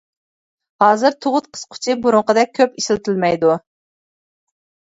ھازىر تۇغۇت قىسقۇچى بۇرۇنقىدەك كۆپ ئىشلىتىلمەيدۇ.